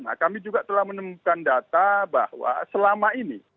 nah kami juga telah menemukan data bahwa selama ini